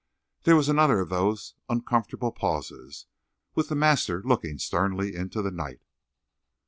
There was another of those uncomfortable pauses, with the master looking sternly into the night.